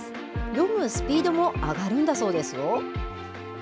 読むスピードも上がるんだそうですよ。